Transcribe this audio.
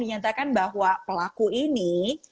dinyatakan bahwa pelaku ini